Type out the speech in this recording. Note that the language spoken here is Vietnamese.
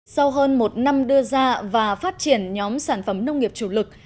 sau hơn một năm đưa ra và phát triển nhóm sản phẩm nông nghiệp chủ lực